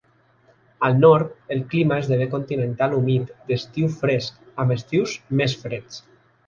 Al nord, el clima esdevé continental humit d'estiu fresc, amb estius més freds.